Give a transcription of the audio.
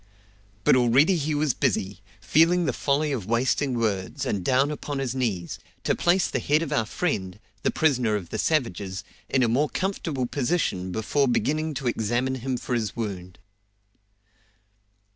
But already he was busy, feeling the folly of wasting words, and down upon his knees, to place the head of our friend, the prisoner of the savages, in a more comfortable position before beginning to examine him for his wound.